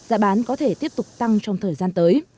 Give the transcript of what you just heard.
giá bán có thể tiếp tục tăng trong thời gian tới